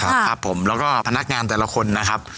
แล้วก็พนักงานแต่ละคนนะครับ